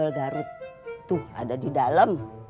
ya dada terus cari dua duit ya